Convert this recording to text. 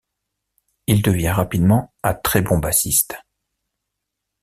Il devient rapidement un très bon bassiste.